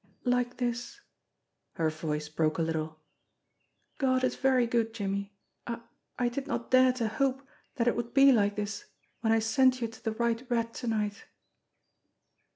"Like this." Her voice broke a little. "God is very good, Jimmie. I I did not dare to hope that it would be like this when I sent you to The White Rat to night."